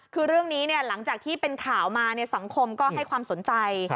คือเรื่องนี้หลังจากที่เป็นข่าวมาสังคมก็ให้ความสนใจ